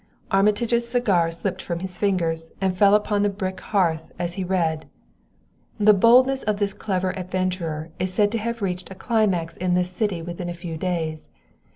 Armitage's cigar slipped from his fingers and fell upon the brick hearth as he read: "The boldness of this clever adventurer is said to have reached a climax in this city within a few days.